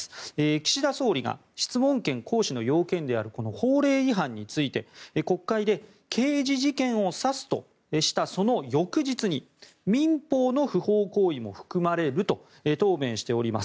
岸田総理が質問権行使の要件である法令違反について国会で刑事事件を指すとしたその翌日に民法の不法行為も含まれると答弁しております。